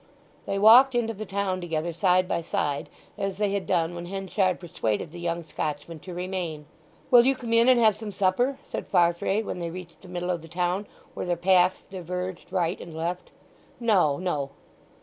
They walked into the town together side by side, as they had done when Henchard persuaded the young Scotchman to remain. "Will you come in and have some supper?" said Farfrae when they reached the middle of the town, where their paths diverged right and left. "No, no."